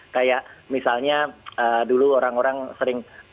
kayak misalnya dulu orang orang sering